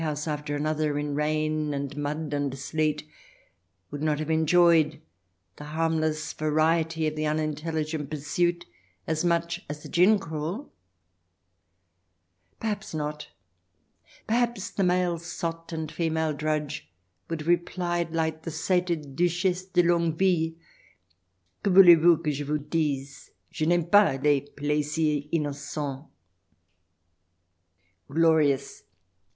xxi public house after another, in rain, and mud, and sleet, would not have enjoyed the harmless variety of the unintelligent pursuit as much as a gin crawl ?... Perhaps not ; perhaps the male sot and female drudge would have replied like the sated Duchesse de Longueville :" Que voulez vous que je vous dise? Je n'aime pas les plaisirs innocents," " Glorious